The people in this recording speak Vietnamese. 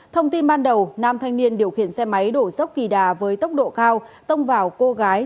thông tin ban đầu nam thanh niên điều khiển xe máy đổ dốc kỳ đà với tốc độ cao tông vào cô gái